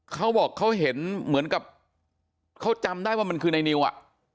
เขาบอกเขาเห็นเหมือนกับเขาจำได้ว่ามันคือในนิวอ่ะ